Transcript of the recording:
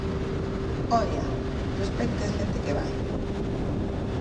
¡Oia, respecte a xente que vai!